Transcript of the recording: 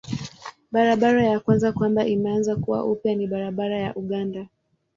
Barabara ya kwanza kwamba imeanza kuwa upya ni barabara ya Uganda.